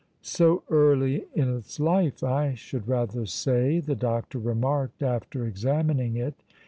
"So early in its life, I should rather say," the doctor remarked after examining it.